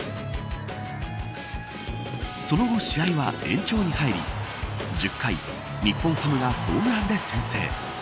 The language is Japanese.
その後試合は延長に入り１０回日本ハムがホームランで先制。